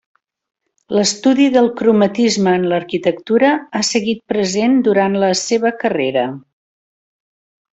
L'estudi del cromatisme en l'arquitectura ha seguit present durant la seva carrera.